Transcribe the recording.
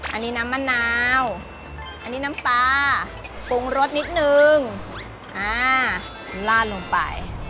อันนี้น้ำมะนาวอันนี้น้ำปลาปรุงรสนิดนึงอ่าลาดลงไป